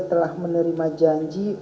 telah menerima janji